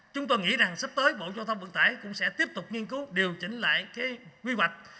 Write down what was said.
chúng tôi nghĩ rằng sắp tới bộ giao thông vận tải cũng sẽ tiếp tục nghiên cứu điều chỉnh lại quy hoạch